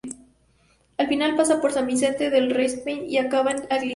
Al final pasa por San Vicente del Raspeig y acaba en Alicante.